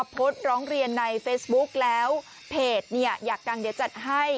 โพสต์ร้องเรียนในเฟซบุ๊กแล้วเพจเนี่ยอยากดังเดี๋ยวจัดให้